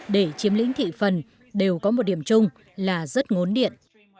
để chiếm lĩnh thị phần đều có một điểm chung là rất ngốn điện